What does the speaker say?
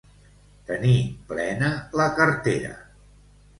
Tenir plena la cartera.